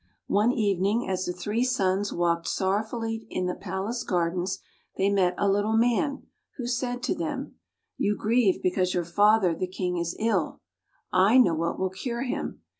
One evening as the three sons walked sor rowfully in the palace gardens, they met a Little Man, who said to them, " You grieve because your father, the King, is ill. I know what will cure him.